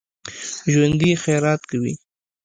ژوندي خیرات کوي